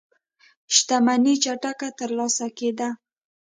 شتمنۍ چټکه ترلاسه کېده.